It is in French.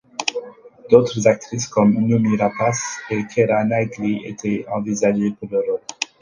D'autres actrices comme Noomi Rapace et Keira Knightley étaient envisagées pour le rôle.